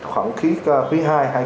khoảng khí khí hai hai nghìn hai mươi hai